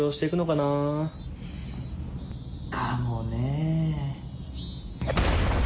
かもね。